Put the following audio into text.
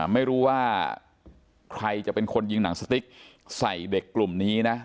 ไม่รู้ว่าใครจะเป็นคนยิงหนังสติ๊กใส่เด็กกลุ่มนี้นะ